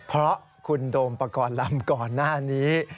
เพราะคุณโดมปกรณ์ลำก่อนหน้านี้